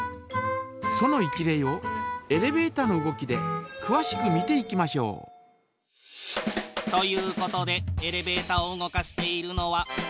その一例をエレベータの動きでくわしく見ていきましょう。ということでエレベータを動かしているのは。